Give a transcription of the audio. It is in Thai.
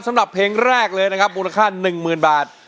สำหรับเพลงแรกเลยนะครับมูลค่า๑๐๐๐บาท